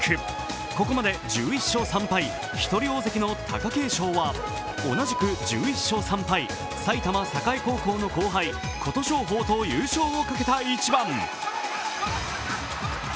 ここまで１１勝３敗一人大関の貴景勝は同じく１１勝３敗、埼玉栄高校の後輩・琴勝峰と優勝をかけた一番。